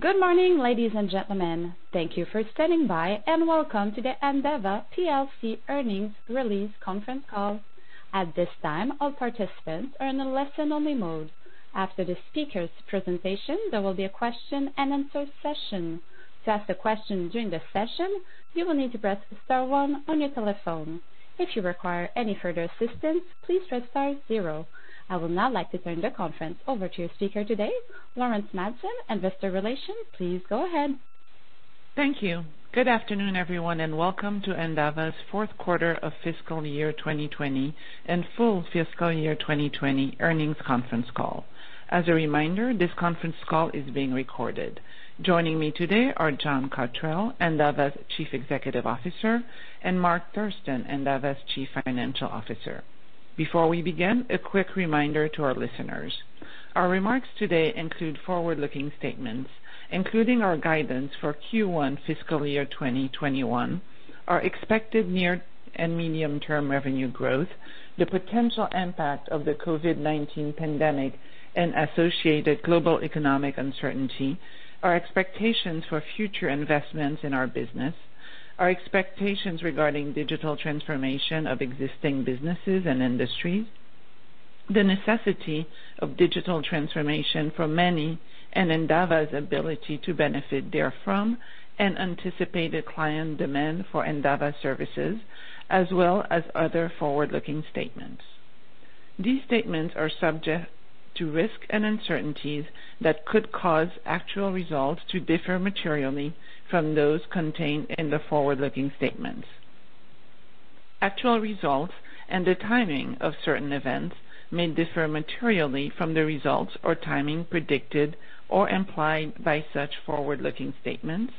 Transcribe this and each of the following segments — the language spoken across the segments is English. Good morning, ladies and gentlemen. Thank you for standing by, and welcome to the Endava plc earnings release conference call. At this time, all participants are in a listen-only mode. After the speaker's presentation, there will be a question and answer session. To ask a question during the session, you will need to press star one on your telephone. If you require any further assistance, please press star zero. I would now like to turn the conference over to your speaker today, Laurence Madsen, Investor Relations. Please go ahead. Thank you. Good afternoon, everyone, and welcome to Endava's fourth quarter of fiscal year 2020 and full fiscal year 2020 earnings conference call. As a reminder, this conference call is being recorded. Joining me today are John Cotterell, Endava's Chief Executive Officer, and Mark Thurston, Endava's Chief Financial Officer. Before we begin, a quick reminder to our listeners. Our remarks today include forward-looking statements, including our guidance for Q1 fiscal year 2021, our expected near and medium-term revenue growth, the potential impact of the COVID-19 pandemic and associated global economic uncertainty, our expectations for future investments in our business, our expectations regarding digital transformation of existing businesses and industries, the necessity of digital transformation for many, and Endava's ability to benefit therefrom and anticipated client demand for Endava services, as well as other forward-looking statements. These statements are subject to risks and uncertainties that could cause actual results to differ materially from those contained in the forward-looking statements. Actual results and the timing of certain events may differ materially from the results or timing predicted or implied by such forward-looking statements,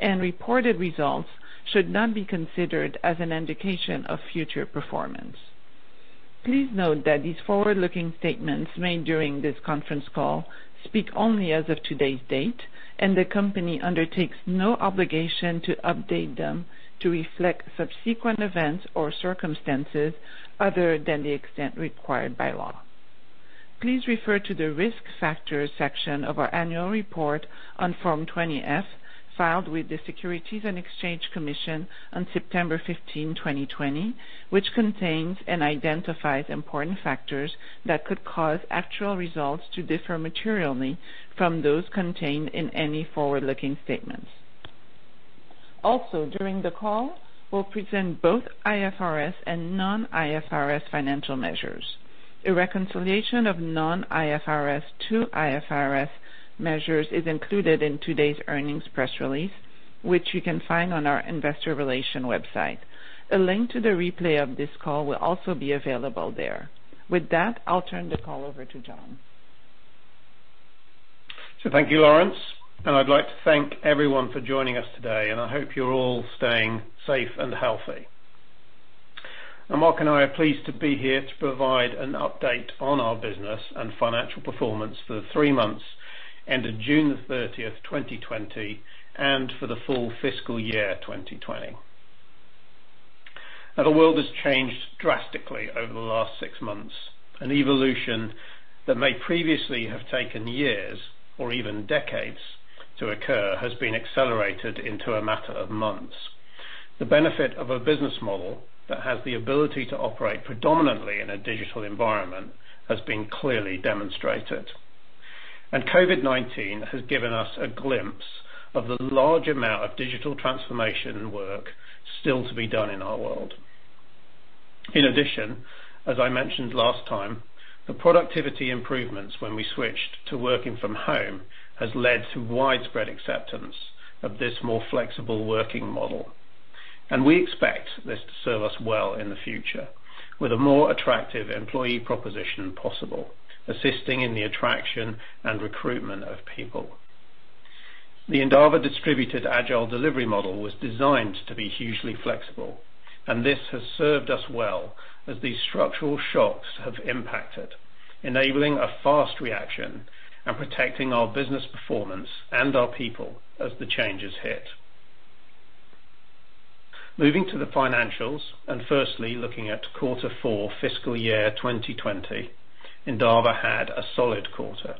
and reported results should not be considered as an indication of future performance. Please note that these forward-looking statements made during this conference call speak only as of today's date, and the company undertakes no obligation to update them to reflect subsequent events or circumstances other than the extent required by law. Please refer to the Risk Factors section of our annual report on Form 20-F, filed with the Securities and Exchange Commission on September 15, 2020, which contains and identifies important factors that could cause actual results to differ materially from those contained in any forward-looking statements. Also, during the call, we'll present both IFRS and non-IFRS financial measures. A reconciliation of non-IFRS to IFRS measures is included in today's earnings press release, which you can find on our investor relations website. A link to the replay of this call will also be available there. With that, I'll turn the call over to John. Thank you, Laurence. I'd like to thank everyone for joining us today, and I hope you're all staying safe and healthy. Mark and I are pleased to be here to provide an update on our business and financial performance for the three months ended June 30th, 2020, and for the full fiscal year 2020. The world has changed drastically over the last six months. An evolution that may previously have taken years or even decades to occur has been accelerated into a matter of months. The benefit of a business model that has the ability to operate predominantly in a digital environment has been clearly demonstrated. COVID-19 has given us a glimpse of the large amount of digital transformation work still to be done in our world. In addition, as I mentioned last time, the productivity improvements when we switched to working from home has led to widespread acceptance of this more flexible working model. We expect this to serve us well in the future with a more attractive employee proposition possible, assisting in the attraction and recruitment of people. The Endava distributed agile delivery model was designed to be hugely flexible, and this has served us well as these structural shocks have impacted, enabling a fast reaction and protecting our business performance and our people as the changes hit. Moving to the financials, firstly looking at quarter four fiscal year 2020, Endava had a solid quarter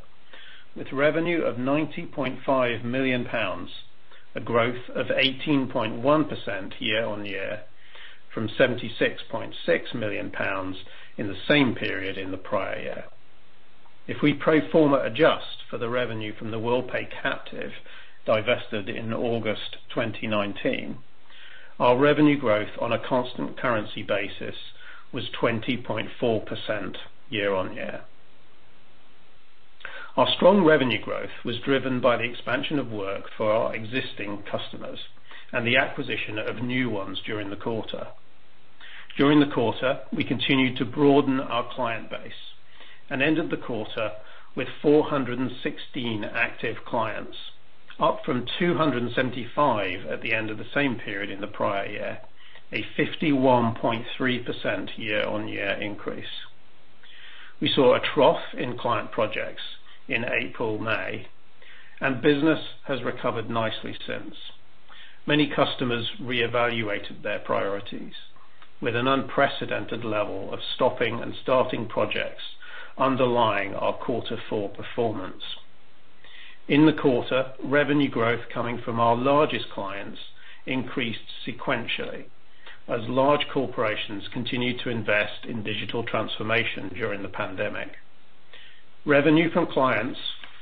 with revenue of 90.5 million pounds, a growth of 18.1% year-on-year from 76.6 million pounds in the same period in the prior year. If we pro forma adjust for the revenue from the Worldpay captive divested in August 2019, our revenue growth on a constant currency basis was 20.4% year-over-year. Our strong revenue growth was driven by the expansion of work for our existing customers and the acquisition of new ones during the quarter. During the quarter, we continued to broaden our client base and ended the quarter with 416 active clients, up from 275 at the end of the same period in the prior year, a 51.3% year-over-year increase. We saw a trough in client projects in April/May, and business has recovered nicely since. Many customers reevaluated their priorities with an unprecedented level of stopping and starting projects underlying our quarter four performance. In the quarter, revenue growth coming from our largest clients increased sequentially as large corporations continued to invest in digital transformation during the pandemic. Revenue from clients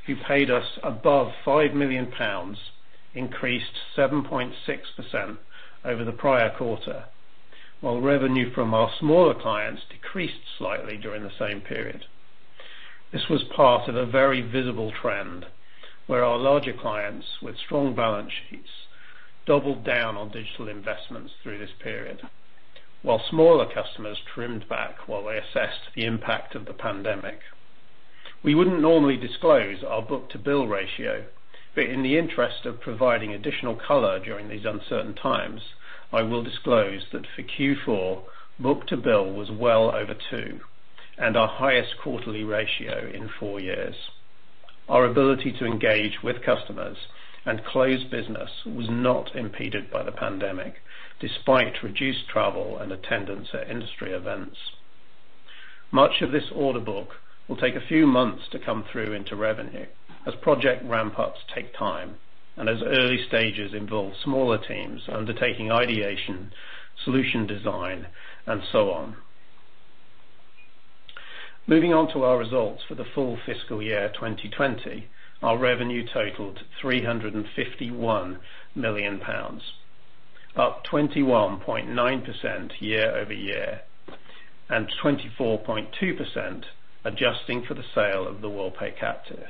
who paid us above 5 million pounds increased 7.6% over the prior quarter, while revenue from our smaller clients decreased slightly during the same period. This was part of a very visible trend where our larger clients with strong balance sheets doubled down on digital investments through this period, while smaller customers trimmed back while they assessed the impact of the pandemic. We wouldn't normally disclose our book-to-bill ratio, but in the interest of providing additional color during these uncertain times, I will disclose that for Q4, book-to-bill was well over two, and our highest quarterly ratio in four years. Our ability to engage with customers and close business was not impeded by the pandemic, despite reduced travel and attendance at industry events. Much of this order book will take a few months to come through into revenue as project ramp-ups take time, and as early stages involve smaller teams undertaking ideation, solution design, and so on. Moving on to our results for the full fiscal year 2020. Our revenue totaled 351 million pounds, up 21.9% year-over-year, and 24.2% adjusting for the sale of the Worldpay captive.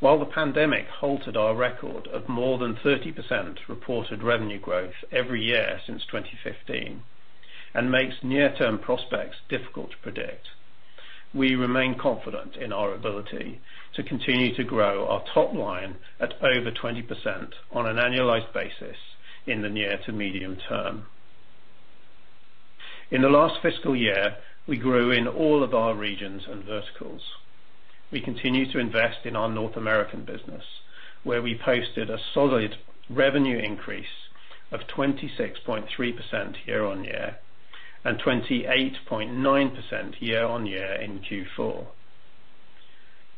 While the pandemic halted our record of more than 30% reported revenue growth every year since 2015, and makes near-term prospects difficult to predict, we remain confident in our ability to continue to grow our top line at over 20% on an annualized basis in the near to medium term. In the last fiscal year, we grew in all of our regions and verticals. We continue to invest in our North American business, where we posted a solid revenue increase of 26.3% year-on-year and 28.9% year-on-year in Q4.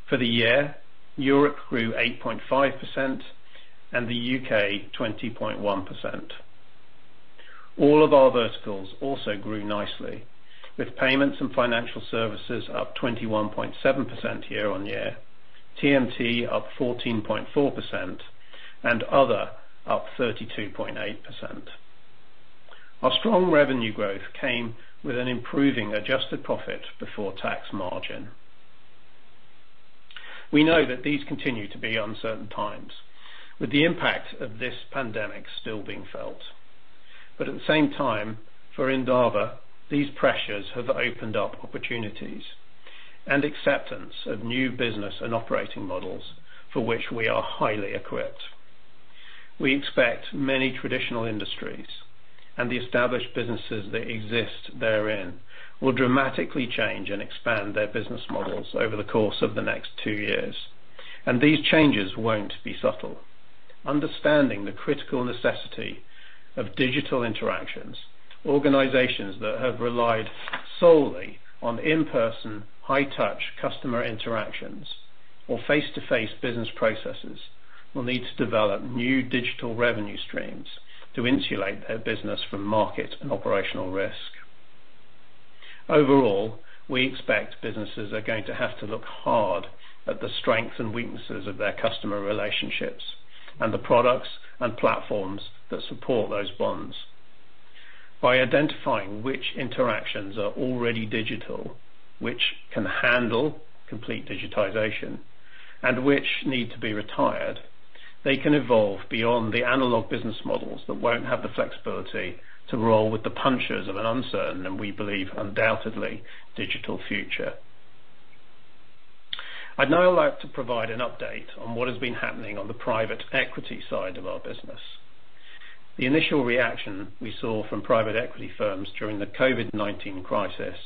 For the year, Europe grew 8.5% and the U.K. 20.1%. All of our verticals also grew nicely, with payments and financial services up 21.7% year-on-year, TMT up 14.4%, and other up 32.8%. Our strong revenue growth came with an improving adjusted profit before tax margin. We know that these continue to be uncertain times, with the impact of this pandemic still being felt. At the same time, for Endava, these pressures have opened up opportunities and acceptance of new business and operating models for which we are highly equipped. We expect many traditional industries and the established businesses that exist therein will dramatically change and expand their business models over the course of the next two years, and these changes won't be subtle. Understanding the critical necessity of digital interactions, organizations that have relied solely on in-person, high touch customer interactions or face-to-face business processes will need to develop new digital revenue streams to insulate their business from market and operational risk. Overall, we expect businesses are going to have to look hard at the strengths and weaknesses of their customer relationships and the products and platforms that support those bonds. By identifying which interactions are already digital, which can handle complete digitization, and which need to be retired, they can evolve beyond the analog business models that won't have the flexibility to roll with the punches of an uncertain, and we believe undoubtedly digital future. I'd now like to provide an update on what has been happening on the private equity side of our business. The initial reaction we saw from private equity firms during the COVID-19 crisis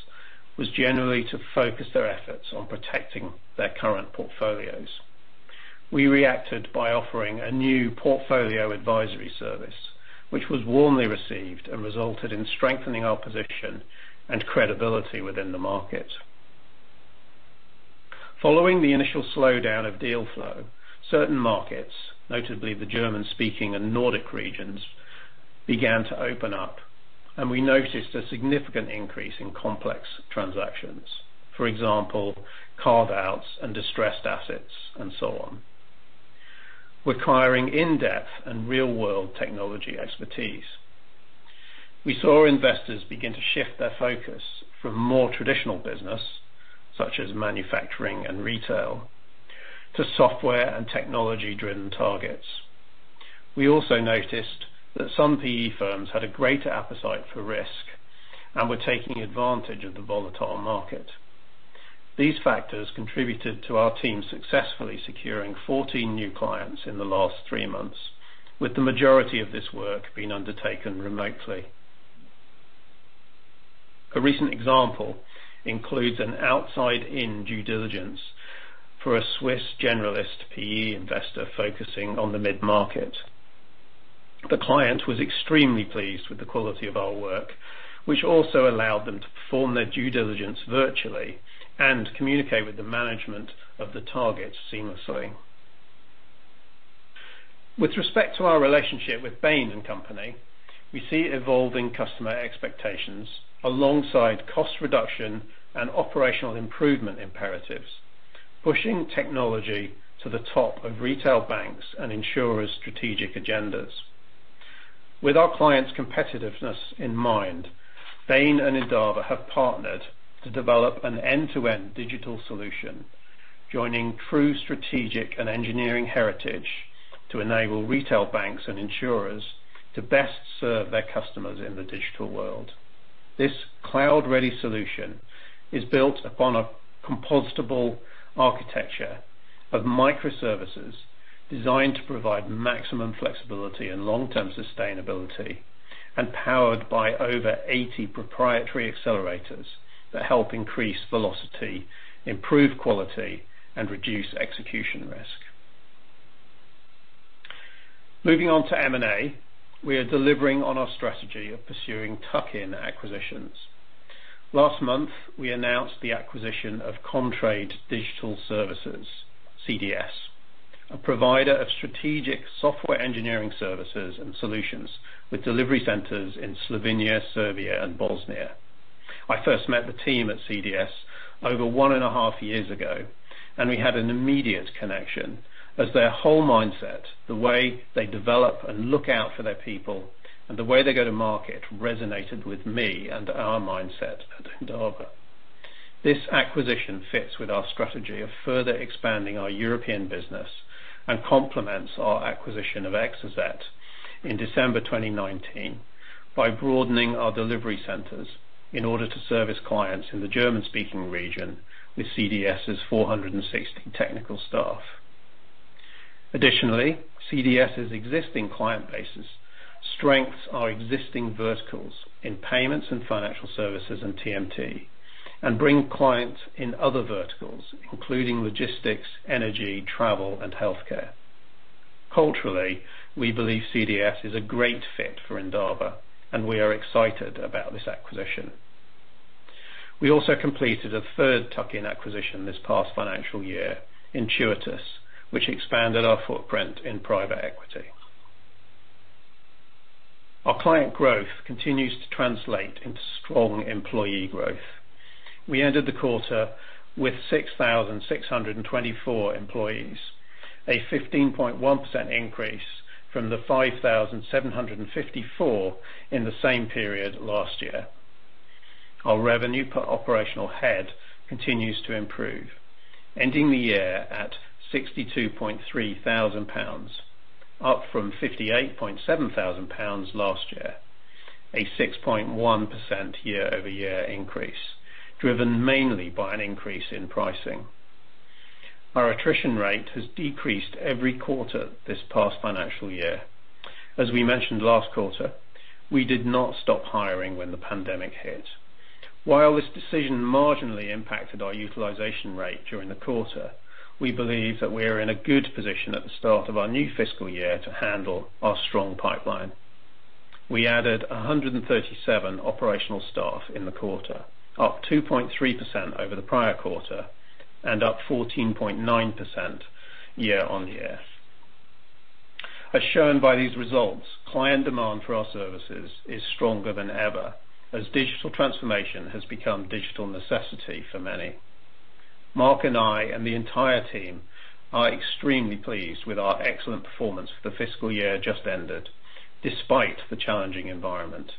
was generally to focus their efforts on protecting their current portfolios. We reacted by offering a new portfolio advisory service, which was warmly received and resulted in strengthening our position and credibility within the market. Following the initial slowdown of deal flow, certain markets, notably the German-speaking and Nordic regions, began to open up, and we noticed a significant increase in complex transactions. For example, carve-outs and distressed assets, and so on, requiring in-depth and real-world technology expertise. We saw investors begin to shift their focus from more traditional business, such as manufacturing and retail, to software and technology-driven targets. We also noticed that some PE firms had a greater appetite for risk and were taking advantage of the volatile market. These factors contributed to our team successfully securing 14 new clients in the last three months, with the majority of this work being undertaken remotely. A recent example includes an outside-in due diligence for a Swiss generalist PE investor focusing on the mid-market. The client was extremely pleased with the quality of our work, which also allowed them to perform their due diligence virtually and communicate with the management of the target seamlessly. With respect to our relationship with Bain & Company, we see evolving customer expectations alongside cost reduction and operational improvement imperatives, pushing technology to the top of retail banks and insurer strategic agendas. With our clients' competitiveness in mind, Bain and Endava have partnered to develop an end-to-end digital solution, joining true strategic and engineering heritage to enable retail banks and insurers to best serve their customers in the digital world. This cloud-ready solution is built upon a composable architecture of microservices designed to provide maximum flexibility and long-term sustainability, and powered by over 80 proprietary accelerators that help increase velocity, improve quality, and reduce execution risk. Moving on to M&A, we are delivering on our strategy of pursuing tuck-in acquisitions. Last month, we announced the acquisition of Comtrade Digital Services, CDS, a provider of strategic software engineering services and solutions with delivery centers in Slovenia, Serbia, and Bosnia. I first met the team at CDS over one and a half years ago, and we had an immediate connection as their whole mindset, the way they develop and look out for their people, and the way they go to market resonated with me and our mindset at Endava. This acquisition fits with our strategy of further expanding our European business and complements our acquisition of Exozet in December 2019 by broadening our delivery centers in order to service clients in the German-speaking region with CDS's 460 technical staff. Additionally, CDS's existing client base's strengths are existing verticals in payments and financial services and TMT, and bring clients in other verticals, including logistics, energy, travel, and healthcare. Culturally, we believe CDS is a great fit for Endava, and we are excited about this acquisition. We also completed a third tuck-in acquisition this past financial year, Intuitus, which expanded our footprint in private equity. Our client growth continues to translate into strong employee growth. We ended the quarter with 6,624 employees, a 15.1% increase from the 5,754 in the same period last year. Our revenue per operational head continues to improve, ending the year at 62,300 pounds, up from 58,700 pounds last year, a 6.1% year-over-year increase, driven mainly by an increase in pricing. Our attrition rate has decreased every quarter this past financial year. As we mentioned last quarter, we did not stop hiring when the pandemic hit. While this decision marginally impacted our utilization rate during the quarter, we believe that we are in a good position at the start of our new fiscal year to handle our strong pipeline. We added 137 operational staff in the quarter, up 2.3% over the prior quarter and up 14.9% year-on-year. As shown by these results, client demand for our services is stronger than ever as digital transformation has become digital necessity for many. Mark and I and the entire team are extremely pleased with our excellent performance for the fiscal year just ended, despite the challenging environment,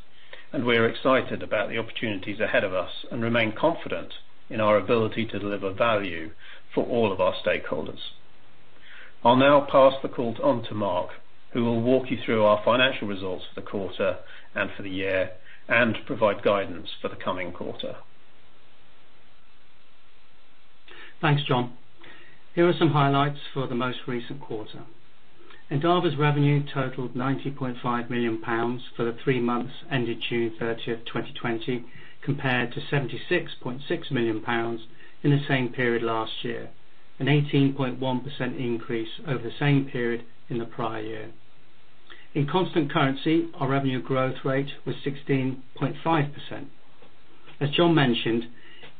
and we are excited about the opportunities ahead of us and remain confident in our ability to deliver value for all of our stakeholders. I'll now pass the call on to Mark, who will walk you through our financial results for the quarter and for the year and provide guidance for the coming quarter. Thanks, John. Here are some highlights for the most recent quarter. Endava's revenue totaled GBP 90.5 million for the three months ended June 30th, 2020, compared to GBP 76.6 million in the same period last year, an 18.1% increase over the same period in the prior year. In constant currency, our revenue growth rate was 16.5%. As John mentioned,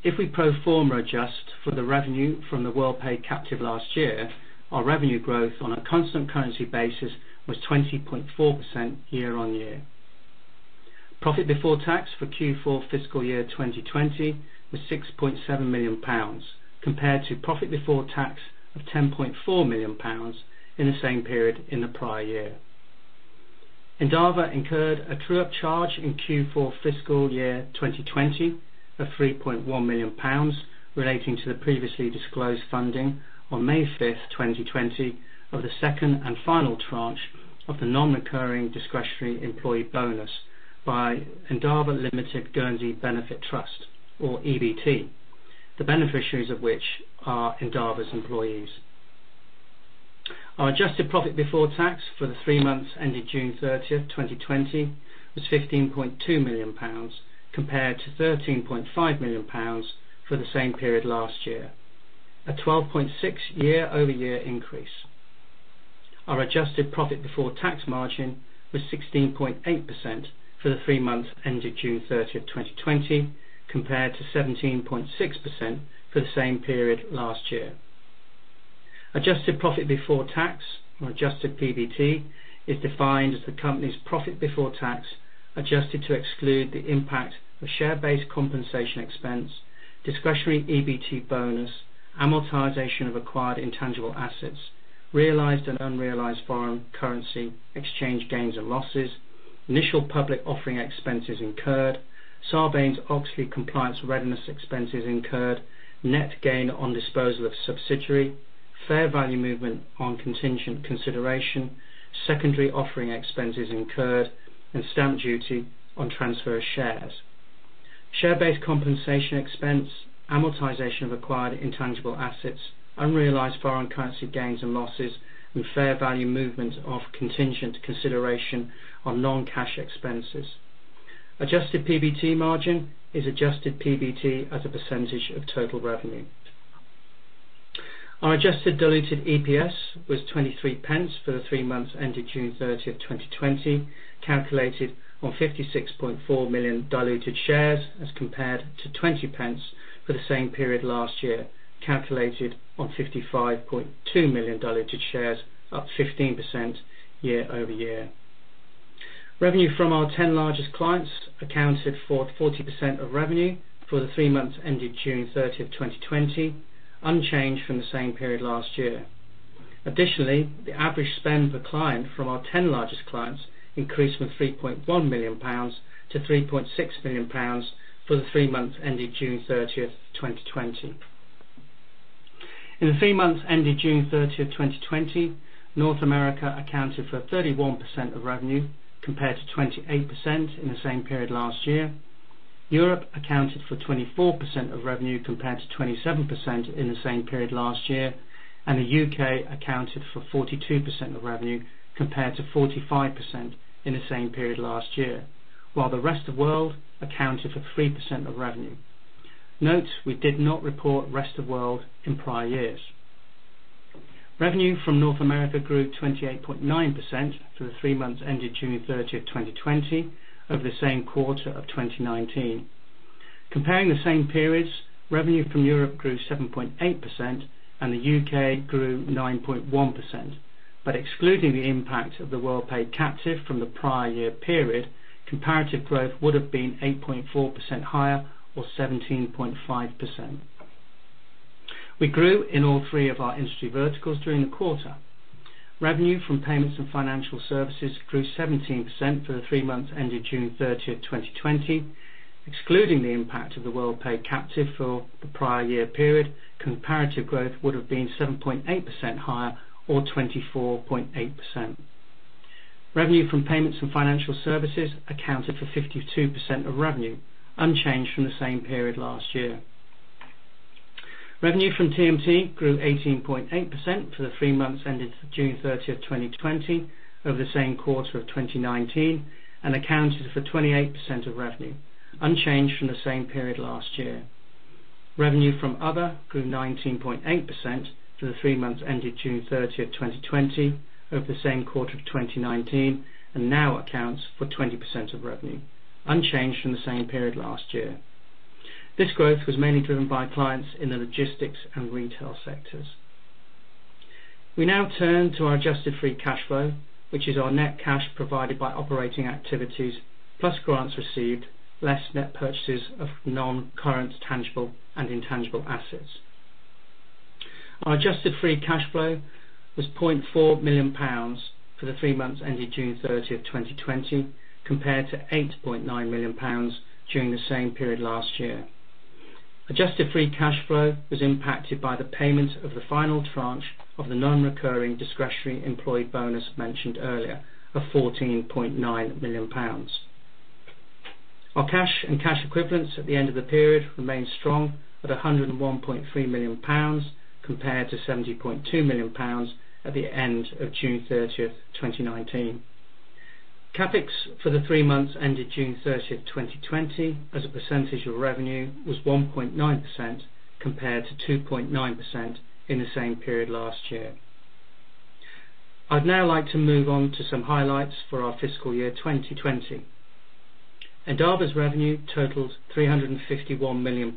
if we pro forma adjust for the revenue from the Worldpay captive last year, our revenue growth on a constant currency basis was 20.4% year-on-year. Profit before tax for Q4 fiscal year 2020 was 6.7 million pounds, compared to profit before tax of 10.4 million pounds in the same period in the prior year. Endava incurred a true-up charge in Q4 fiscal year 2020 of 3.1 million pounds relating to the previously disclosed funding on May 5th, 2020, of the second and final tranche of the non-recurring discretionary employee bonus by Endava Limited Guernsey Employee Benefit Trust, or EBT, the beneficiaries of which are Endava's employees. Our adjusted profit before tax for the three months ending June 30th, 2020 was 15.2 million pounds, compared to 13.5 million pounds for the same period last year, a 12.6% year-over-year increase. Our adjusted profit before tax margin was 16.8% for the three months ending June 30th, 2020, compared to 17.6% for the same period last year. Adjusted profit before tax, or adjusted PBT, is defined as the company's profit before tax, adjusted to exclude the impact of share-based compensation expense, discretionary EBT bonus, amortization of acquired intangible assets, realized and unrealized foreign currency exchange gains and losses, initial public offering expenses incurred, Sarbanes-Oxley compliance readiness expenses incurred, net gain on disposal of subsidiary, fair value movement on contingent consideration, secondary offering expenses incurred, and stamp duty on transfer of shares. Share-based compensation expense, amortization of acquired intangible assets, unrealized foreign currency gains and losses, and fair value movement of contingent consideration are non-cash expenses. Adjusted PBT margin is adjusted PBT as a percentage of total revenue. Our adjusted diluted EPS was 0.23 for the three months ending June 30th, 2020, calculated on 56.4 million diluted shares, as compared to 0.20 for the same period last year, calculated on 55.2 million diluted shares, up 15% year-over-year. Revenue from our 10 largest clients accounted for 40% of revenue for the three months ending June 30th, 2020, unchanged from the same period last year. Additionally, the average spend per client from our 10 largest clients increased from 3.1 million-3.6 million pounds for the three months ending June 30th, 2020. In the three months ending June 30th, 2020, North America accounted for 31% of revenue, compared to 28% in the same period last year. Europe accounted for 24% of revenue, compared to 27% in the same period last year, and the U.K. accounted for 42% of revenue, compared to 45% in the same period last year. While the rest of world accounted for 3% of revenue. Note, we did not report rest of world in prior years. Revenue from North America grew 28.9% for the three months ending June 30th, 2020, over the same quarter of 2019. Comparing the same periods, revenue from Europe grew 7.8% and the U.K. grew 9.1%. Excluding the impact of the Worldpay captive from the prior year period, comparative growth would've been 8.4% higher or 17.5%. We grew in all three of our industry verticals during the quarter. Revenue from payments and financial services grew 17% for the three months ending June 30th, 2020. Excluding the impact of the Worldpay captive for the prior year period, comparative growth would've been 7.8% higher or 24.8%. Revenue from payments and financial services accounted for 52% of revenue, unchanged from the same period last year. Revenue from TMT grew 18.8% for the three months ending June 30th, 2020, over the same quarter of 2019, and accounted for 28% of revenue, unchanged from the same period last year. Revenue from other grew 19.8% for the three months ending June 30th, 2020, over the same quarter of 2019, and now accounts for 20% of revenue, unchanged from the same period last year. This growth was mainly driven by clients in the logistics and retail sectors. We now turn to our adjusted free cash flow, which is our net cash provided by operating activities plus grants received, less net purchases of non-current tangible and intangible assets. Our adjusted free cash flow was 0.4 million pounds for the three months ending June 30th, 2020, compared to 8.9 million pounds during the same period last year. Adjusted free cash flow was impacted by the payment of the final tranche of the non-recurring discretionary employee bonus mentioned earlier, of 14.9 million pounds. Our cash and cash equivalents at the end of the period remained strong at 101.3 million pounds compared to 70.2 million pounds at the end of June 30th, 2019. CapEx for the three months ending June 30th, 2020, as a percentage of revenue, was 1.9% compared to 2.9% in the same period last year. I'd now like to move on to some highlights for our fiscal year 2020. Endava's revenue totaled GBP 351 million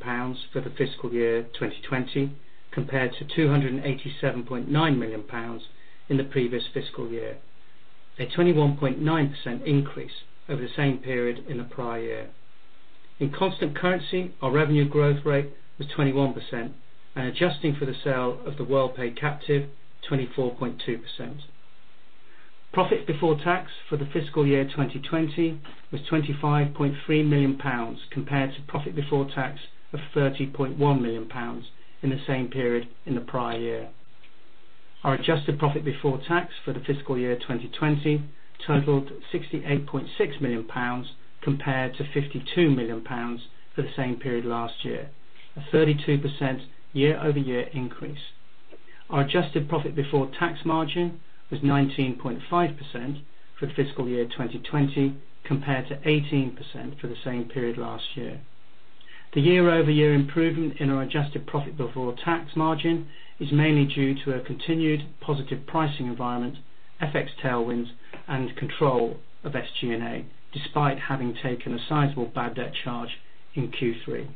for the fiscal year 2020, compared to GBP 287.9 million in the previous fiscal year, a 21.9% increase over the same period in the prior year. In constant currency, our revenue growth rate was 21%, and adjusting for the sale of the Worldpay captive, 24.2%. Profit before tax for the fiscal year 2020 was 25.3 million pounds compared to profit before tax of 30.1 million pounds in the same period in the prior year. Our adjusted profit before tax for the fiscal year 2020 totaled 68.6 million pounds compared to 52 million pounds for the same period last year. A 32% year-over-year increase. Our adjusted profit before tax margin was 19.5% for the fiscal year 2020, compared to 18% for the same period last year. The year-over-year improvement in our adjusted profit before tax margin is mainly due to a continued positive pricing environment, FX tailwinds, and control of SG&A, despite having taken a sizable bad debt charge in Q3.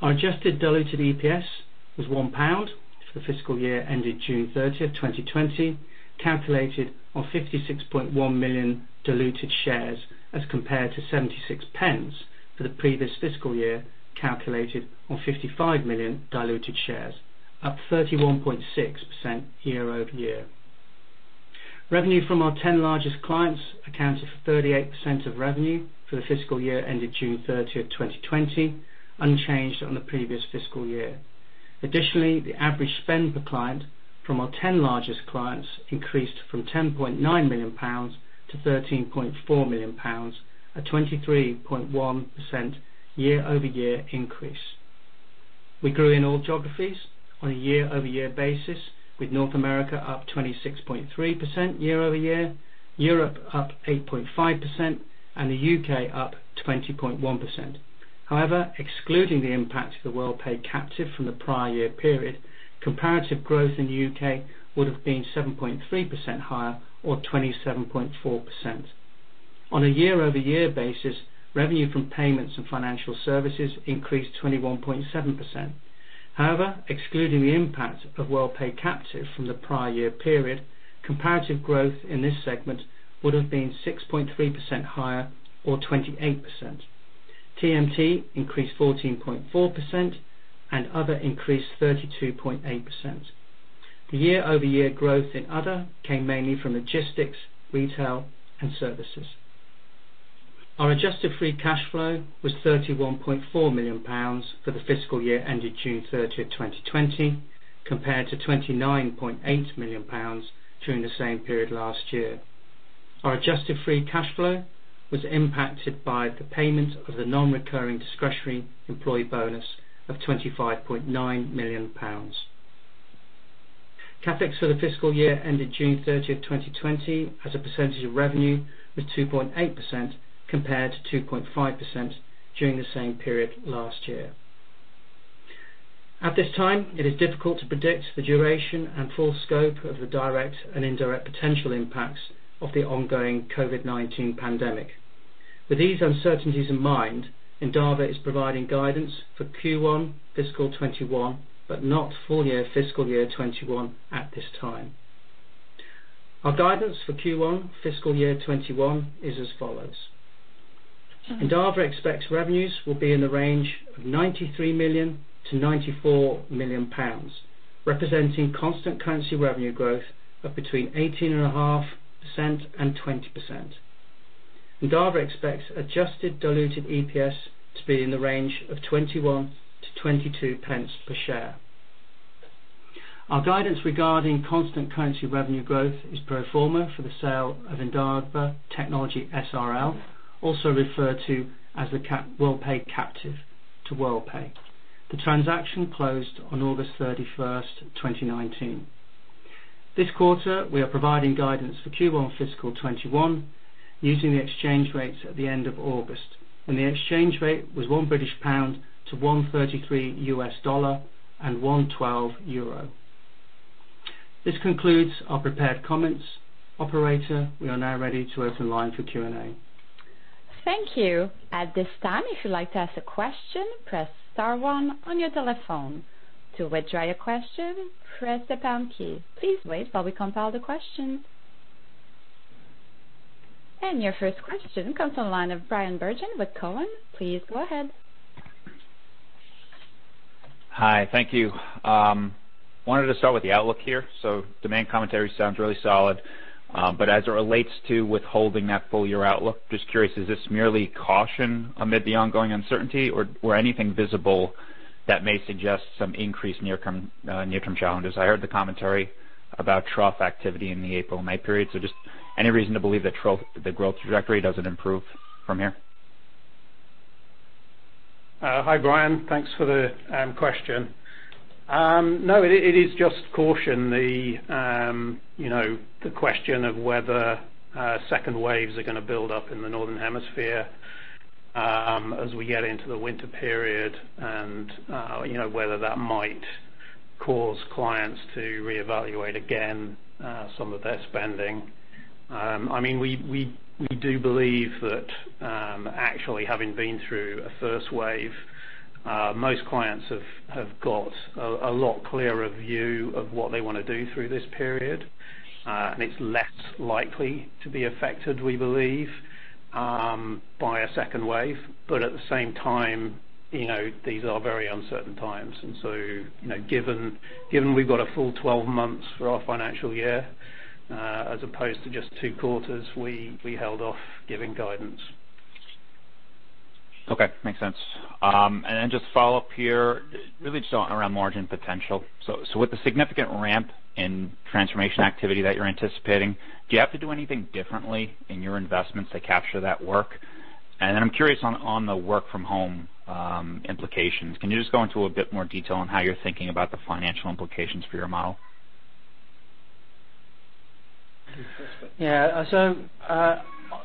Our adjusted diluted EPS was 1 pound for the fiscal year ended June 30th, 2020, calculated on 56.1 million diluted shares as compared to 0.76 for the previous fiscal year, calculated on 55 million diluted shares, up 31.6% year-over-year. Revenue from our 10 largest clients accounted for 38% of revenue for the fiscal year ended June 30th, 2020, unchanged on the previous fiscal year. Additionally, the average spend per client from our 10 largest clients increased from 10.9 million pounds to 13.4 million pounds, a 23.1% year-over-year increase. We grew in all geographies on a year-over-year basis, with North America up 26.3% year-over-year, Europe up 8.5%, and the U.K. up 20.1%. However, excluding the impact of the Worldpay captive from the prior year period, comparative growth in the U.K. would have been 7.3% higher, or 27.4%. On a year-over-year basis, revenue from payments and financial services increased 21.7%. However, excluding the impact of Worldpay captive from the prior year period, comparative growth in this segment would have been 6.3% higher, or 28%. TMT increased 14.4%, and other increased 32.8%. The year-over-year growth in other came mainly from logistics, retail, and services. Our adjusted free cash flow was GBP 31.4 million for the fiscal year ended June 30th, 2020, compared to GBP 29.8 million during the same period last year. Our adjusted free cash flow was impacted by the payment of the non-recurring discretionary employee bonus of 25.9 million pounds. CapEx for the fiscal year ended June 30th, 2020, as a percentage of revenue, was 2.8%, compared to 2.5% during the same period last year. At this time, it is difficult to predict the duration and full scope of the direct and indirect potential impacts of the ongoing COVID-19 pandemic. With these uncertainties in mind, Endava is providing guidance for Q1 fiscal year 2021, but not full year fiscal year 2021 at this time. Our guidance for Q1 fiscal year 2021 is as follows. Endava expects revenues will be in the range of GBP 93 million-GBP 94 million, representing constant currency revenue growth of between 18.5% and 20%. Endava expects adjusted diluted EPS to be in the range of 0.21-0.22 per share. Our guidance regarding constant currency revenue growth is pro forma for the sale of Endava Technology SRL, also referred to as the Worldpay captive to Worldpay. The transaction closed on August 31st, 2019. This quarter, we are providing guidance for Q1 fiscal 2021 using the exchange rates at the end of August. The exchange rate was 1 British pound to $1.33, and 1.12 euro. This concludes our prepared comments. Operator, we are now ready to open line for Q&A. Thank you. At this time, if you'd like to ask a question, press star one on your telephone. To withdraw your question, press the pound key. Please wait while we compile the questions. Your first question comes from the line of Bryan Bergin with Cowen. Please go ahead. Hi. Thank you. Wanted to start with the outlook here. Demand commentary sounds really solid. As it relates to withholding that full year outlook, just curious, is this merely caution amid the ongoing uncertainty, or anything visible that may suggest some increased near-term challenges? I heard the commentary about trough activity in the April and May period. Just any reason to believe that the growth trajectory doesn't improve from here? Hi, Bryan. Thanks for the question. No, it is just caution. The question of whether second waves are going to build up in the northern hemisphere as we get into the winter period and whether that might cause clients to reevaluate again some of their spending. We do believe that actually having been through a first wave, most clients have got a lot clearer view of what they want to do through this period. It's less likely to be affected, we believe, by a second wave. At the same time, these are very uncertain times. Given we've got a full 12 months for our financial year, as opposed to just two quarters, we held off giving guidance. Okay. Makes sense. Then just follow up here, really just around margin potential. With the significant ramp in transformation activity that you're anticipating, do you have to do anything differently in your investments to capture that work? Then I'm curious on the work from home implications. Can you just go into a bit more detail on how you're thinking about the financial implications for your model? Yeah.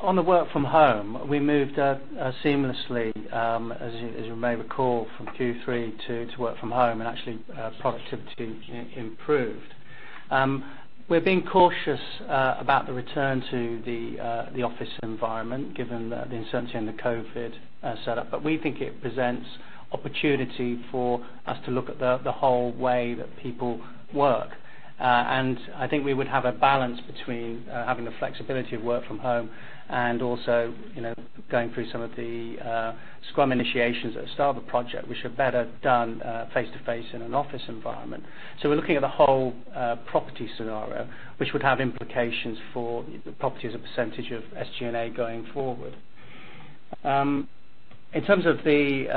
On the work from home, we moved seamlessly, as you may recall, from Q3 to work from home, and actually productivity improved. We're being cautious about the return to the office environment given the uncertainty in the COVID setup. We think it presents opportunity for us to look at the whole way that people work. I think we would have a balance between having the flexibility of work from home and also going through some of the scrum initiations at the start of a project, which are better done face-to-face in an office environment. We're looking at the whole property scenario, which would have implications for property as a percentage of SG&A going forward. In terms of the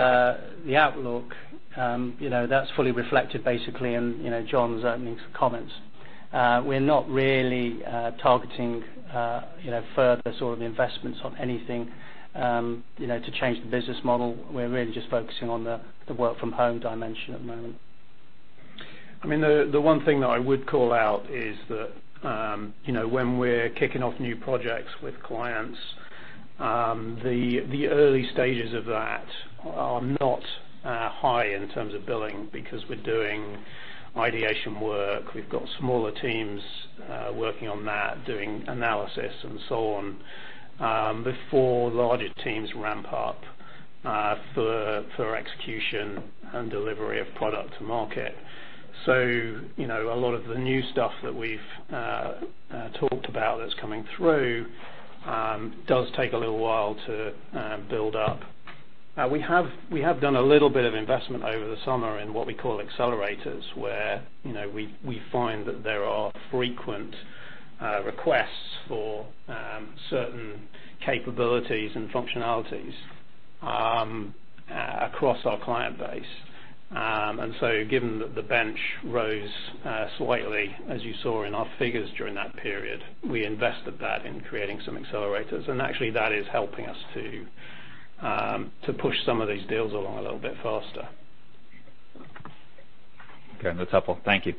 outlook, that's fully reflected basically in John's opening comments. We're not really targeting further sort of investments on anything to change the business model. We're really just focusing on the work from home dimension at the moment. The one thing that I would call out is that when we're kicking off new projects with clients, the early stages of that are not high in terms of billing because we're doing ideation work. We've got smaller teams working on that, doing analysis and so on, before larger teams ramp up for execution and delivery of product to market. A lot of the new stuff that we've talked about that's coming through does take a little while to build up. We have done a little bit of investment over the summer in what we call accelerators, where we find that there are frequent requests for certain capabilities and functionalities across our client base. Given that the bench rose slightly, as you saw in our figures during that period, we invested that in creating some accelerators. Actually that is helping us to push some of these deals along a little bit faster. Okay. That's helpful. Thank you.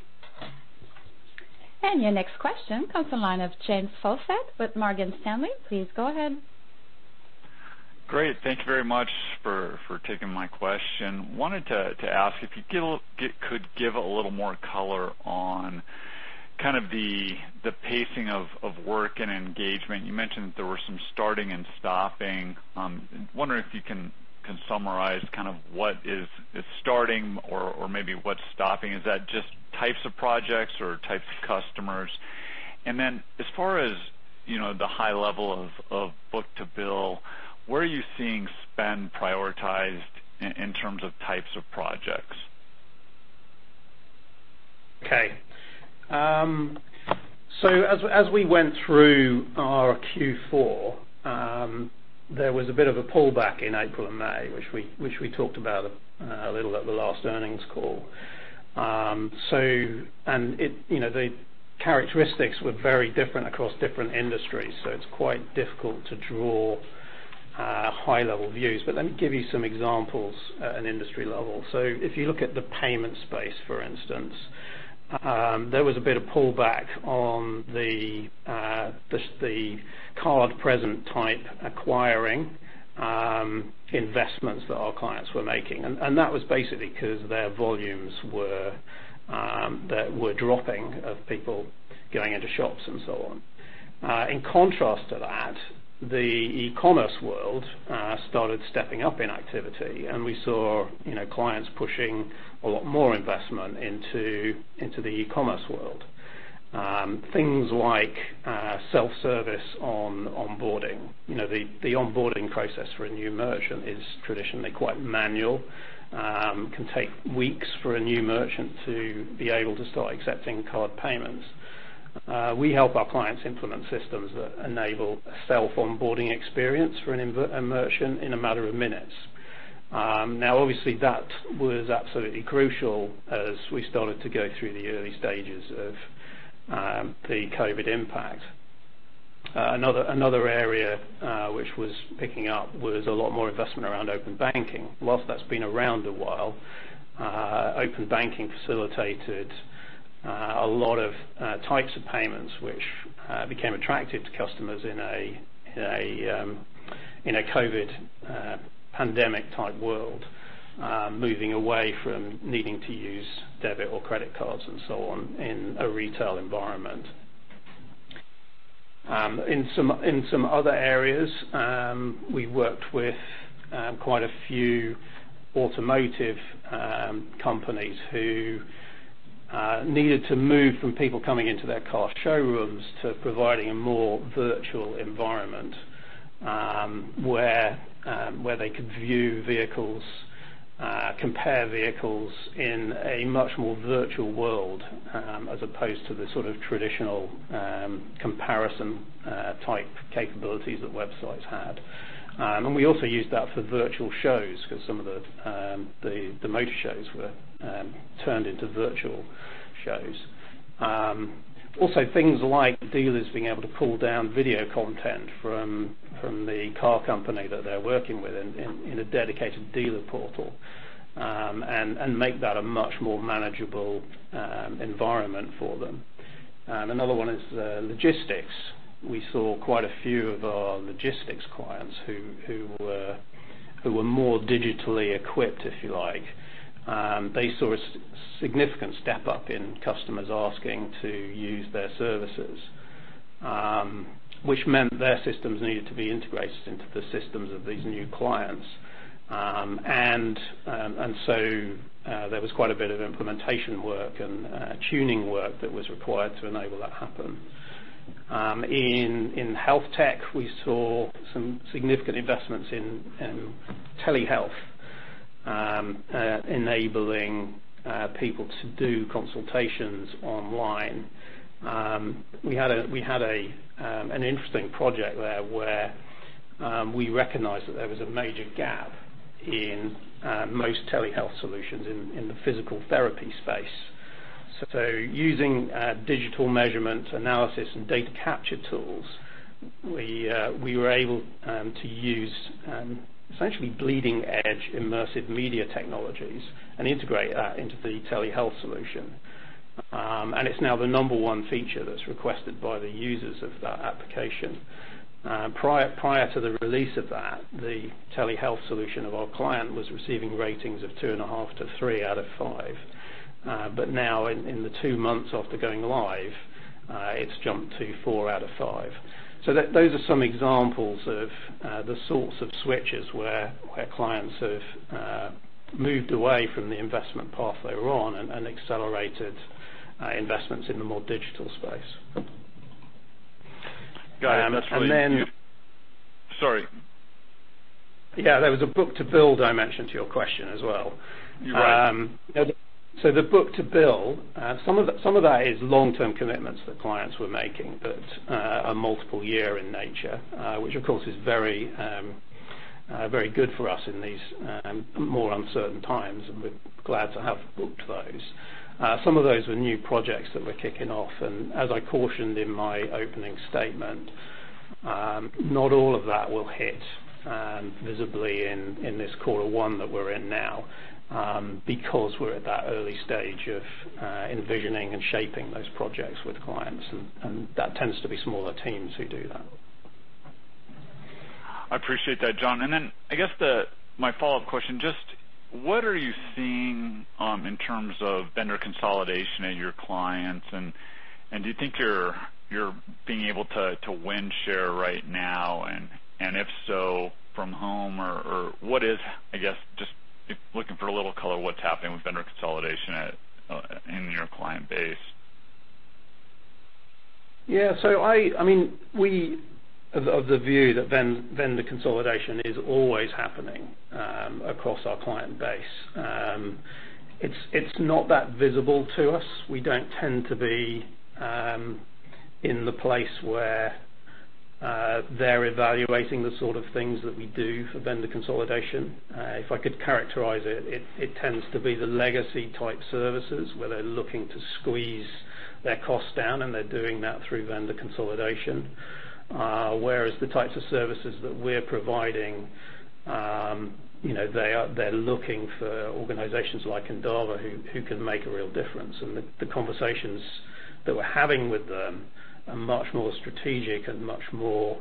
Your next question comes the line of James Faucette with Morgan Stanley. Please go ahead. Great. Thank you very much for taking my question. Wanted to ask if you could give a little more color on kind of the pacing of work and engagement. You mentioned that there were some starting and stopping. I'm wondering if you can summarize what is starting or maybe what's stopping. Is that just types of projects or types of customers? Then as far as the high level of book-to-bill, where are you seeing spend prioritized in terms of types of projects? Okay. As we went through our Q4, there was a bit of a pullback in April and May, which we talked about a little at the last earnings call. The characteristics were very different across different industries, so it's quite difficult to draw high level views. Let me give you some examples at an industry level. If you look at the payment space, for instance, there was a bit of pullback on the card present type acquiring investments that our clients were making. That was basically because their volumes were dropping of people going into shops and so on. In contrast to that, the e-commerce world started stepping up in activity, and we saw clients pushing a lot more investment into the e-commerce world. Things like self-service on onboarding. The onboarding process for a new merchant is traditionally quite manual, can take weeks for a new merchant to be able to start accepting card payments. We help our clients implement systems that enable a self-onboarding experience for a merchant in a matter of minutes. Now, obviously, that was absolutely crucial as we started to go through the early stages of the COVID impact. Another area which was picking up was a lot more investment around open banking. While that's been around a while, open banking facilitated a lot of types of payments which became attractive to customers in a COVID pandemic type world, moving away from needing to use debit or credit cards and so on in a retail environment. In some other areas, we worked with quite a few automotive companies who needed to move from people coming into their car showrooms to providing a more virtual environment, where they could view vehicles, compare vehicles in a much more virtual world, as opposed to the sort of traditional comparison type capabilities that websites had. We also used that for virtual shows because some of the motor shows were turned into virtual shows. Also things like dealers being able to pull down video content from the car company that they're working with in a dedicated dealer portal, and make that a much more manageable environment for them. Another one is logistics. We saw quite a few of our logistics clients who were more digitally equipped, if you like. They saw a significant step up in customers asking to use their services, which meant their systems needed to be integrated into the systems of these new clients. There was quite a bit of implementation work and tuning work that was required to enable that happen. In health tech, we saw some significant investments in telehealth, enabling people to do consultations online. We had an interesting project there where we recognized that there was a major gap in most telehealth solutions in the physical therapy space. Using digital measurement analysis and data capture tools, we were able to use essentially bleeding edge immersive media technologies and integrate that into the telehealth solution. It's now the number one feature that's requested by the users of that application. Prior to the release of that, the telehealth solution of our client was receiving ratings of two and a half to three out of five. But now in the two months after going live, it's jumped to four out of five. Those are some examples of the sorts of switches where clients have moved away from the investment path they were on and accelerated investments in the more digital space. Got it. And then. Sorry. There was a book-to-bill I mentioned to your question as well. You're right. The book-to-bill, some of that is long-term commitments that clients were making, that are multiple-year in nature, which of course is very good for us in these more uncertain times, and we're glad to have booked those. Some of those were new projects that we're kicking off, and as I cautioned in my opening statement, not all of that will hit visibly in this quarter one that we're in now, because we're at that early stage of envisioning and shaping those projects with clients, and that tends to be smaller teams who do that. I appreciate that, John. I guess my follow-up question, just what are you seeing in terms of vendor consolidation at your clients? Do you think you're being able to win share right now, and if so, from home or what is I guess just looking for a little color what's happening with vendor consolidation in your client base. Yeah. We of the view that vendor consolidation is always happening across our client base. It's not that visible to us. We don't tend to be in the place where they're evaluating the sort of things that we do for vendor consolidation. If I could characterize it tends to be the legacy type services where they're looking to squeeze their costs down, and they're doing that through vendor consolidation. Whereas the types of services that we're providing, they're looking for organizations like Endava who can make a real difference. The conversations that we're having with them are much more strategic and much more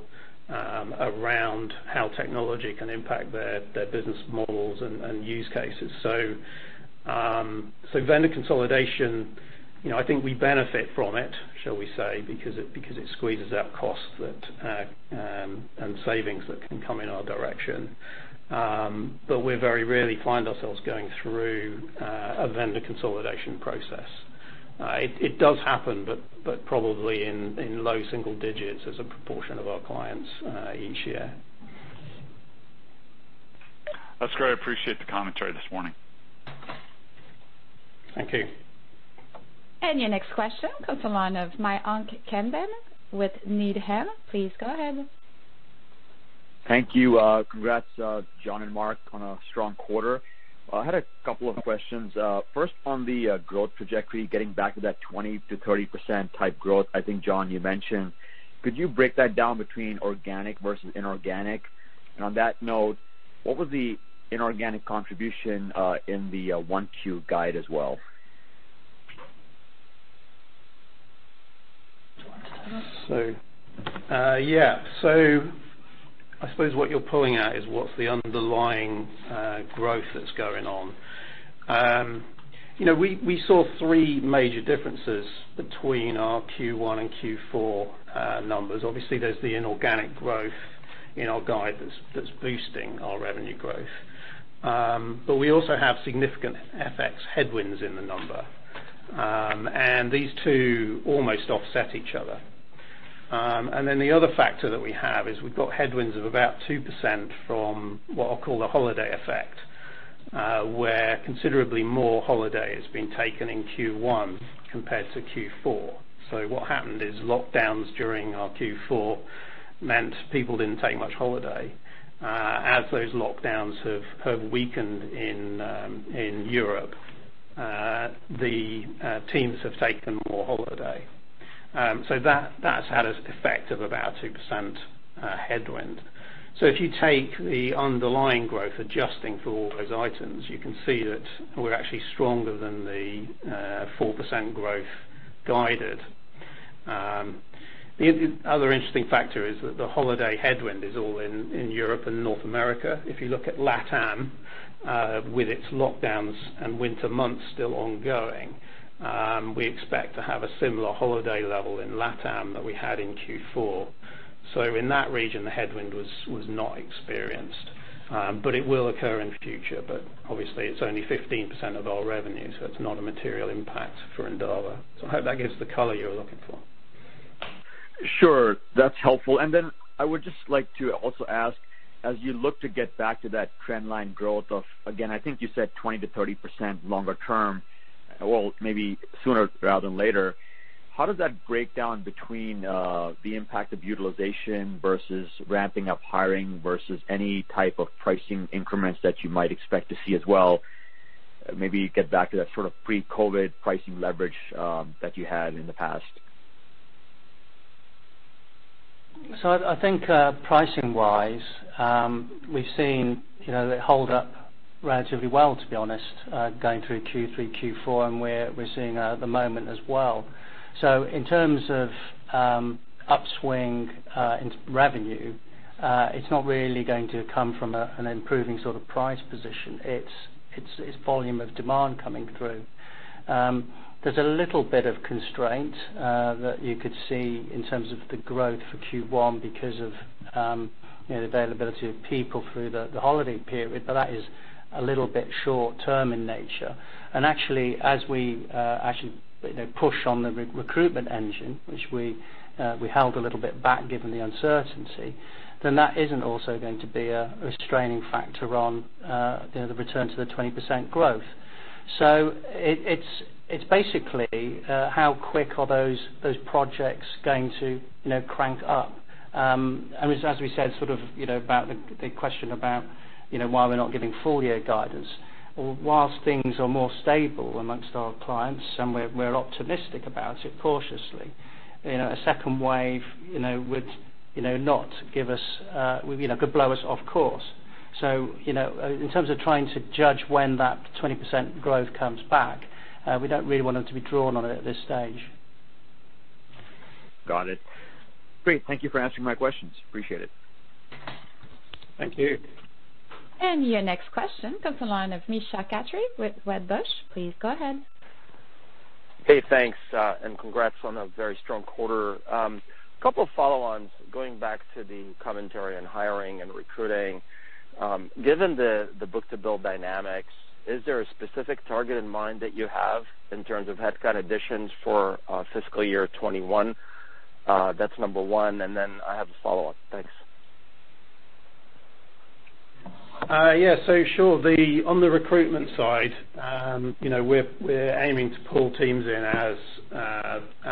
around how technology can impact their business models and use cases. Vendor consolidation, I think we benefit from it, shall we say, because it squeezes out costs and savings that can come in our direction. We very rarely find ourselves going through a vendor consolidation process. It does happen, but probably in low single digits as a proportion of our clients each year. That's great. I appreciate the commentary this morning. Thank you. Your next question comes along of Mayank Tandon with Needham. Please go ahead. Thank you. Congrats, John and Mark, on a strong quarter. I had a couple of questions. First, on the growth trajectory, getting back to that 20%-30% type growth, I think, John, you mentioned, could you break that down between organic versus inorganic? On that note, what was the inorganic contribution in the 1Q guide as well? I suppose what you're pulling at is what's the underlying growth that's going on. We saw three major differences between our Q1 and Q4 numbers. Obviously, there's the inorganic growth in our guidance that's boosting our revenue growth. We also have significant FX headwinds in the number. These two almost offset each other. The other factor that we have is we've got headwinds of about 2% from what I'll call the holiday effect, where considerably more holiday has been taken in Q1 compared to Q4. What happened is lockdowns during our Q4 meant people didn't take much holiday. As those lockdowns have weakened in Europe, the teams have taken more holiday. That's had an effect of about 2% headwind. If you take the underlying growth, adjusting for all those items, you can see that we're actually stronger than the 4% growth guided. The other interesting factor is that the holiday headwind is all in Europe and North America. If you look at LATAM, with its lockdowns and winter months still ongoing, we expect to have a similar holiday level in LATAM that we had in Q4. In that region, the headwind was not experienced. It will occur in future. Obviously it's only 15% of our revenue, so it's not a material impact for Endava. I hope that gives the color you were looking for. Sure. That's helpful. I would just like to also ask, as you look to get back to that trend line growth of, again, I think you said 20%-30% longer term, well maybe sooner rather than later, how does that break down between the impact of utilization versus ramping up hiring versus any type of pricing increments that you might expect to see as well? Maybe get back to that pre-COVID-19 pricing leverage that you had in the past. I think pricing wise we've seen it hold up relatively well to be honest, going through Q3, Q4, and we're seeing at the moment as well. In terms of upswing in revenue, it's not really going to come from an improving sort of price position. It's volume of demand coming through. There's a little bit of constraint that you could see in terms of the growth for Q1 because of the availability of people through the holiday period. That is a little bit short term in nature. Actually, as we actually push on the recruitment engine, which we held a little bit back given the uncertainty, then that isn't also going to be a restraining factor on the return to the 20% growth. It's basically how quick are those projects going to crank up? As we said, sort of the question about why we're not giving full year guidance. Whilst things are more stable amongst our clients, and we're optimistic about it cautiously, a second wave could blow us off course. In terms of trying to judge when that 20% growth comes back, we don't really want to be drawn on it at this stage. Got it. Great. Thank you for answering my questions. Appreciate it. Thank you. Your next question comes the line of Moshe Katri with Wedbush. Please go ahead. Hey, thanks, and congrats on a very strong quarter. Couple of follow-ons, going back to the commentary on hiring and recruiting. Given the book-to-bill dynamics, is there a specific target in mind that you have in terms of headcount additions for fiscal year 2021? That's number one, and then I have a follow-up. Thanks. Yeah. Sure. On the recruitment side, we're aiming to pull teams in as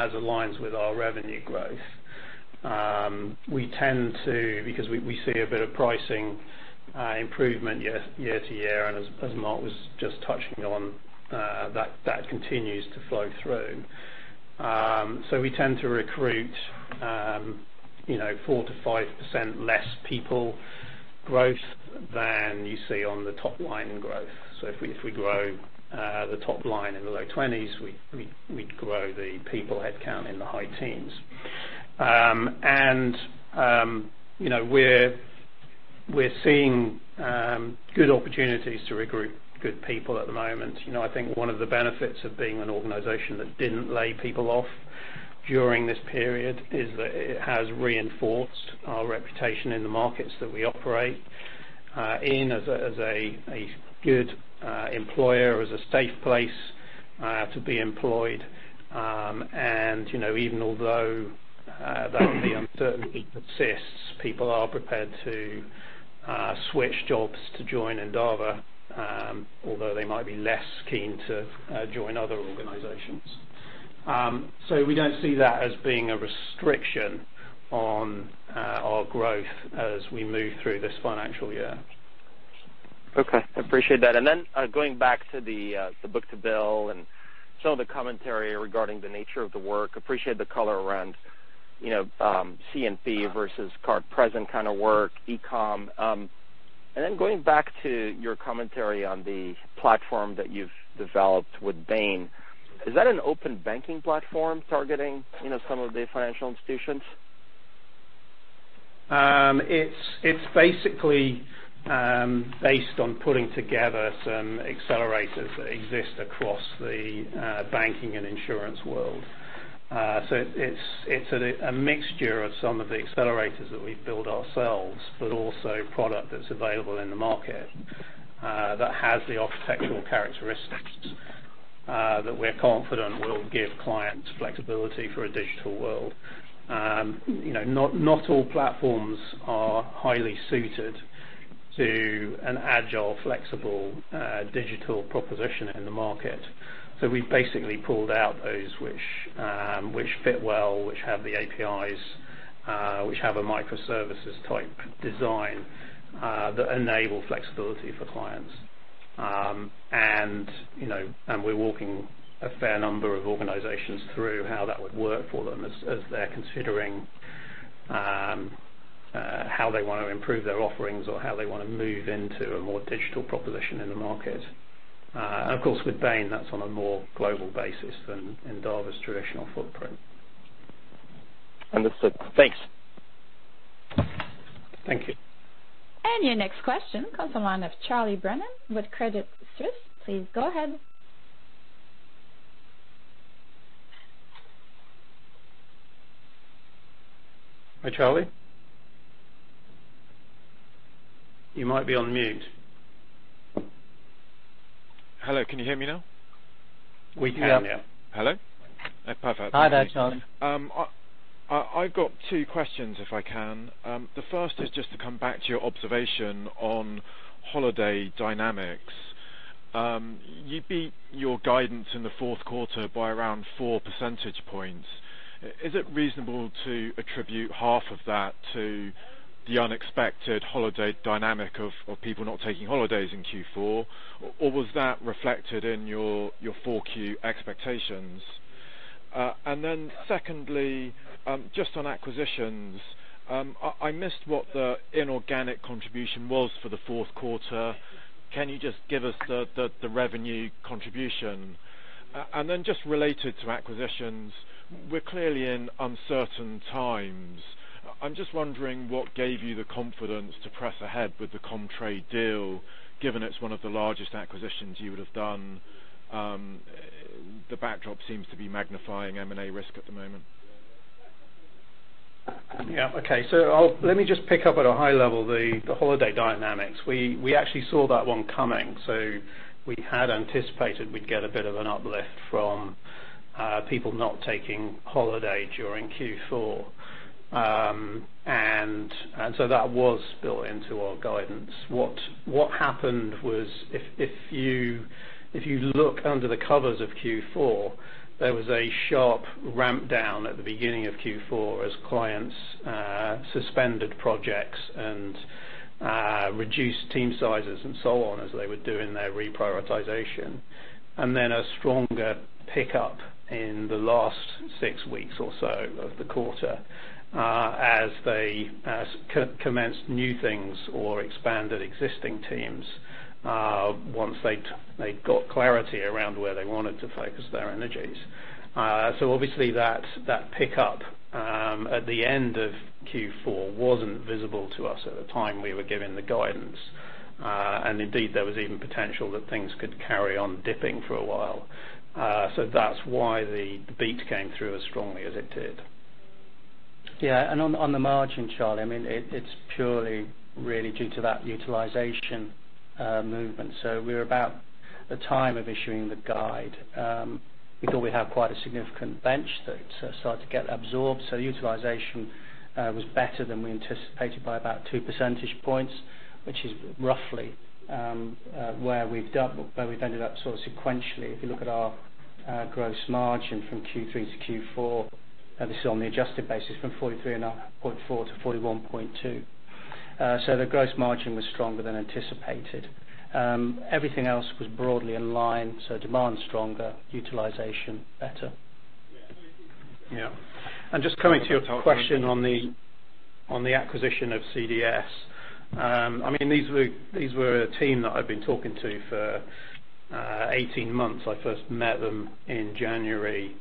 aligns with our revenue growth. We tend to, because we see a bit of pricing improvement year to year, and as Mark was just touching on, that continues to flow through. We tend to recruit 4%-5% less people growth than you see on the top line growth. If we grow the top line in the low 20s, we'd grow the people headcount in the high teens. We're seeing good opportunities to recruit good people at the moment. I think one of the benefits of being an organization that didn't lay people off during this period is that it has reinforced our reputation in the markets that we operate in as a good employer, as a safe place to be employed. Even although that uncertainty persists, people are prepared to switch jobs to join Endava, although they might be less keen to join other organizations. We don't see that as being a restriction on our growth as we move through this financial year. Okay. Appreciate that. Then going back to the book-to-bill and some of the commentary regarding the nature of the work, appreciate the color around CNP versus card present kind of work, e-com. Then going back to your commentary on the platform that you've developed with Bain, is that an open banking platform targeting some of the financial institutions? It's basically based on putting together some accelerators that exist across the banking and insurance world. It's a mixture of some of the accelerators that we've built ourselves, but also product that's available in the market that has the architectural characteristics that we're confident will give clients flexibility for a digital world. Not all platforms are highly suited to an agile, flexible digital proposition in the market. We basically pulled out those which fit well, which have the APIs, which have a microservices-type design that enable flexibility for clients. We're walking a fair number of organizations through how that would work for them as they're considering how they want to improve their offerings or how they want to move into a more digital proposition in the market. Of course, with Bain, that's on a more global basis than Endava's traditional footprint. Understood. Thanks. Thank you. Your next question comes on line of Charlie Brennan with Credit Suisse. Please go ahead. Hi, Charlie. You might be on mute. Hello, can you hear me now? We can, yeah. We can, yeah. Hello. Perfect. Hi there, Charlie. I've got two questions, if I can. The first is just to come back to your observation on holiday dynamics. You beat your guidance in the fourth quarter by around 4 percentage points. Is it reasonable to attribute half of that to the unexpected holiday dynamic of people not taking holidays in Q4? Or was that reflected in your Q4 expectations? Secondly, just on acquisitions. I missed what the inorganic contribution was for the fourth quarter. Can you just give us the revenue contribution? Just related to acquisitions, we're clearly in uncertain times. I'm just wondering what gave you the confidence to press ahead with the Comtrade deal, given it's one of the largest acquisitions you would have done. The backdrop seems to be magnifying M&A risk at the moment. Yeah. Okay. Let me just pick up at a high level the holiday dynamics. We actually saw that one coming. We had anticipated we'd get a bit of an uplift from people not taking holiday during Q4. That was built into our guidance. What happened was, if you look under the covers of Q4, there was a sharp ramp down at the beginning of Q4 as clients suspended projects and reduced team sizes and so on as they were doing their reprioritization. A stronger pickup in the last six weeks or so of the quarter as they commenced new things or expanded existing teams once they'd got clarity around where they wanted to focus their energies. Obviously that pickup at the end of Q4 wasn't visible to us at the time we were giving the guidance. Indeed, there was even potential that things could carry on dipping for a while. That's why the beat came through as strongly as it did. Yeah. On the margin, Charlie, it's purely really due to that utilization movement. We're about the time of issuing the guide. We thought we have quite a significant bench that started to get absorbed. Utilization was better than we anticipated by about 2 percentage points, which is roughly where we've ended up sequentially. If you look at our gross margin from Q3 to Q4, obviously on the adjusted basis from 43.4 to 41.2. The gross margin was stronger than anticipated. Everything else was broadly in line. Demand stronger, utilization better. Yeah. Just coming to your question on the acquisition of CDS. These were a team that I've been talking to for 18 months. I first met them in January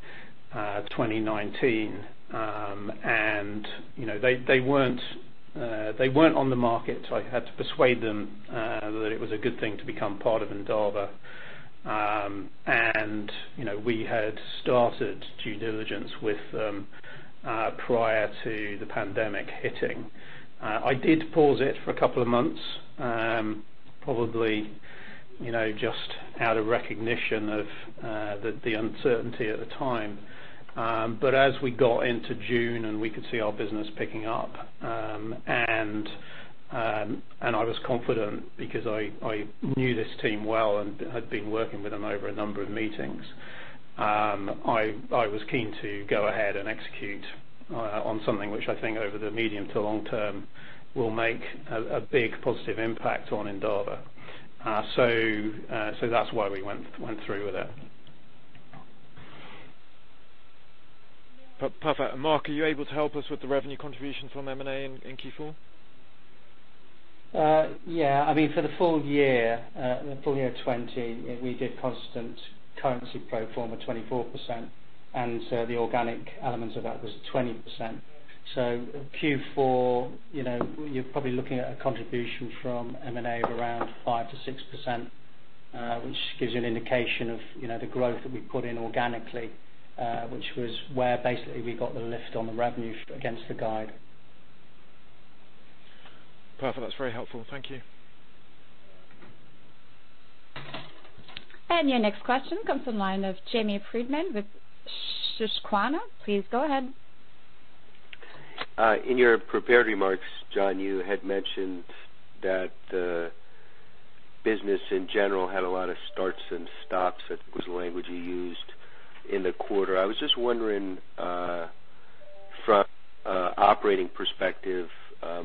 2019. They weren't on the market, so I had to persuade them that it was a good thing to become part of Endava. We had started due diligence with them prior to the pandemic hitting. I did pause it for a couple of months. Probably just out of recognition of the uncertainty at the time. As we got into June and we could see our business picking up, and I was confident because I knew this team well and had been working with them over a number of meetings. I was keen to go ahead and execute on something which I think over the medium to long term will make a big positive impact on Endava. That's why we went through with it. Perfect. Mark, are you able to help us with the revenue contribution from M&A in Q4? For the full year 2020, we did constant currency pro forma 24%, and the organic element of that was 20%. Q4, you're probably looking at a contribution from M&A of around 5%-6%, which gives you an indication of the growth that we put in organically, which was where basically we got the lift on the revenue against the guide. Perfect. That's very helpful. Thank you. Your next question comes from the line of Jamie Friedman with Susquehanna. Please go ahead. In your prepared remarks, John, you had mentioned that the business in general had a lot of starts and stops. That was the language you used in the quarter. I was just wondering from an operating perspective,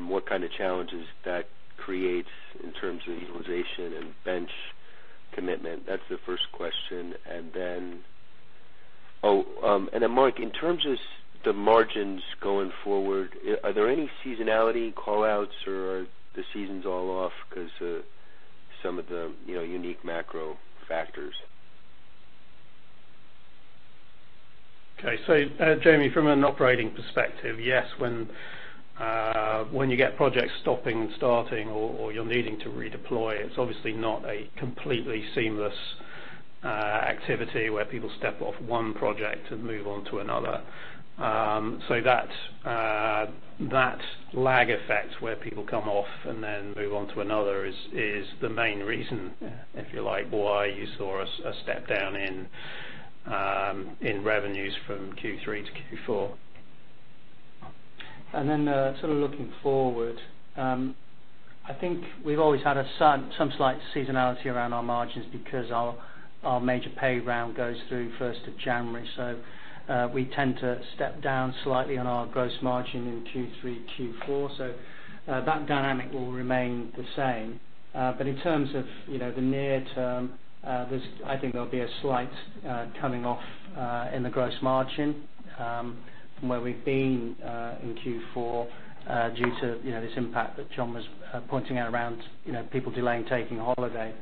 what kind of challenges that creates in terms of utilization and bench commitment? That's the first question. Then, Mark, in terms of the margins going forward, are there any seasonality call-outs, or are the seasons all off because some of the unique macro factors? Okay. Jamie, from an operating perspective, yes, when you get projects stopping and starting or you're needing to redeploy, it's obviously not a completely seamless activity where people step off one project and move on to another. That lag effect where people come off and then move on to another is the main reason, if you like, why you saw a step down in revenues from Q3 to Q4. Looking forward, I think we've always had some slight seasonality around our margins because our major pay round goes through the first of January. We tend to step down slightly on our gross margin in Q3, Q4. That dynamic will remain the same. In terms of the near term, I think there'll be a slight coming off in the gross margin from where we've been in Q4 due to this impact that John was pointing out around people delaying taking holiday.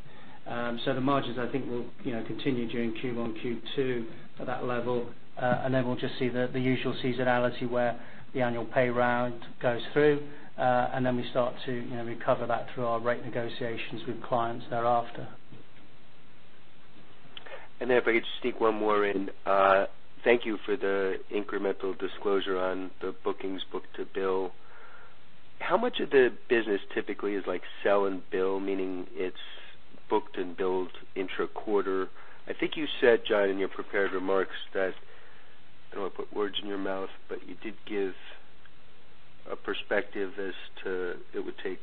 The margins, I think will continue during Q1, Q2 at that level. We'll just see the usual seasonality where the annual pay round goes through. We start to recover that through our rate negotiations with clients thereafter. If I could sneak one more in. Thank you for the incremental disclosure on the bookings book-to-bill. How much of the business typically is sell and bill, meaning it's booked and billed intra-quarter? I think you said, John, in your prepared remarks that, I don't want to put words in your mouth, but you did give a perspective as to it would take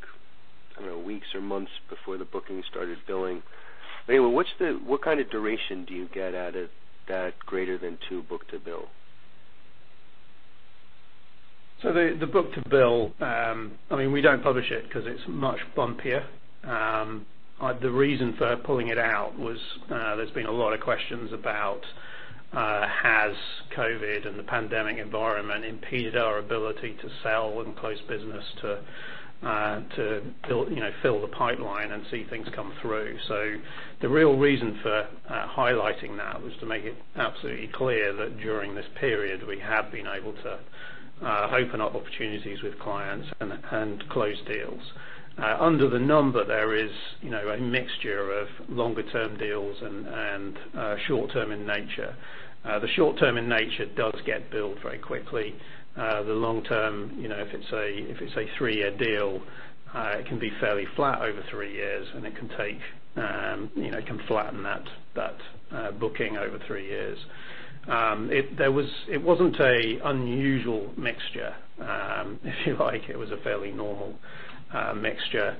weeks or months before the booking started billing. Anyway, what kind of duration do you get out of that greater than two book-to-bill? The book-to-bill we don't publish it because it's much bumpier. The reason for pulling it out was there's been a lot of questions about has COVID and the pandemic environment impeded our ability to sell and close business to fill the pipeline and see things come through. The real reason for highlighting that was to make it absolutely clear that during this period, we have been able to open up opportunities with clients and close deals. Under the number, there is a mixture of longer-term deals and short-term in nature. The short-term in nature does get billed very quickly. The long-term, if it's a three-year deal, it can be fairly flat over three years and it can flatten that booking over three years. It wasn't an unusual mixture, if you like. It was a fairly normal mixture.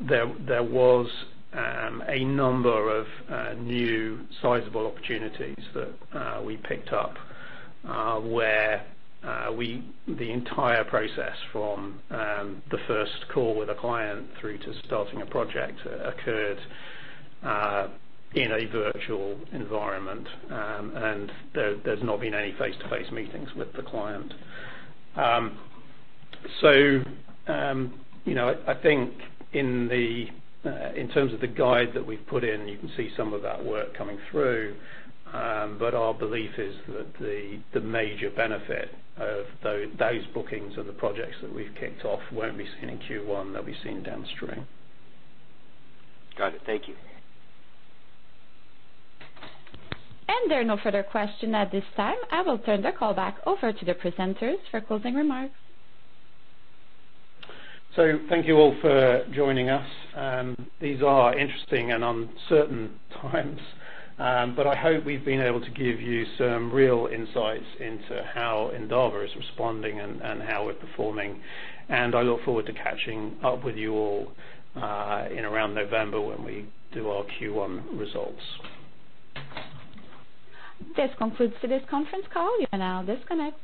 There was a number of new sizable opportunities that we picked up where the entire process from the first call with a client through to starting a project occurred in a virtual environment. There's not been any face-to-face meetings with the client. I think in terms of the guide that we've put in, you can see some of that work coming through. Our belief is that the major benefit of those bookings or the projects that we've kicked off won't be seen in Q1, they'll be seen downstream. Got it. Thank you. There are no further questions at this time. I will turn the call back over to the presenters for closing remarks. Thank you all for joining us. These are interesting and uncertain times, but I hope we've been able to give you some real insights into how Endava is responding and how we're performing. I look forward to catching up with you all in around November when we do our Q1 results. This concludes today's conference call. You may now disconnect.